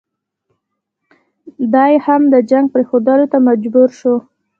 دی هم د جنګ پرېښودلو ته مجبور شو.